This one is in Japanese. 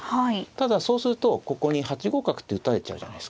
ただそうするとここに８五角って打たれちゃうじゃないですか。